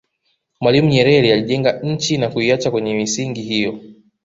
mwalimu nyerere aliijenga nchi na kuiacha kwenye misingi hiyo